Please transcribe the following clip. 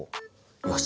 よし！